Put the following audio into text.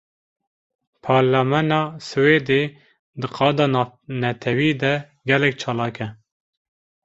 Parlamena Swêdê, di qada navnetewî de gelek çalak e